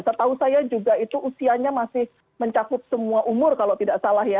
setahu saya juga itu usianya masih mencakup semua umur kalau tidak salah ya